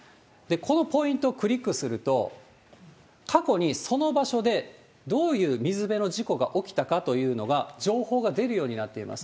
このポイントをクリックすると、過去にその場所で、どういう水辺の事故が起きたかというのが、情報が出るようになっています。